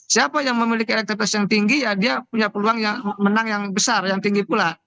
siapa yang memiliki elektabilitas yang tinggi ya dia punya peluang yang menang yang besar yang tinggi pula